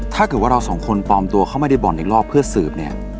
ถ้าเกิดว่าเราสองคนปลอมตัวเข้ามาในบ่อนอีกรอบเพื่อสืบเนี่ย